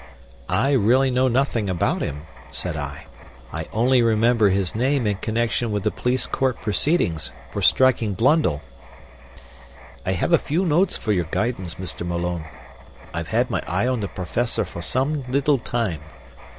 "I really know nothing about him," said I. "I only remember his name in connection with the police court proceedings, for striking Blundell." "I have a few notes for your guidance, Mr. Malone. I've had my eye on the Professor for some little time."